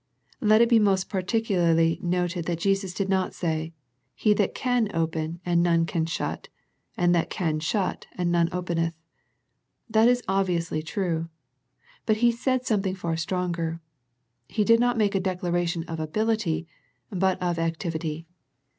Let it be most particularly noted that Jesus did not say " He that can open and none can shut, and that can shut, and none openeth." That is obviously true, but He said something far stronger. He did not make a declaration of ability, but of ac tivity.